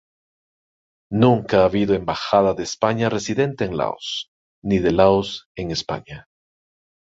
Nunca ha habido embajada de España residente en Laos, ni de Laos en España.